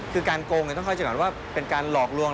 คือการโกงคือการหลอกล้วง